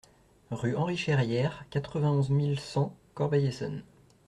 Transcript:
Rue Henri Cherrière, quatre-vingt-onze mille cent Corbeil-Essonnes